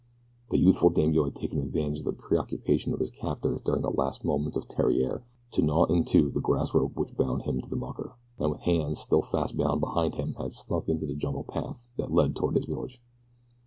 The youthful daimio had taken advantage of the preoccupation of his captors during the last moments of Theriere to gnaw in two the grass rope which bound him to the mucker, and with hands still fast bound behind him had slunk into the jungle path that led toward his village.